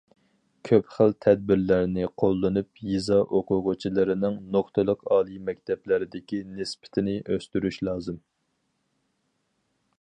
كۆپ خىل تەبىرلەرنى قوللىنىپ، يېزا ئوقۇغۇچىلىرىنىڭ نۇقتىلىق ئالىي مەكتەپلەردىكى نىسبىتىنى ئۆستۈرۈش لازىم.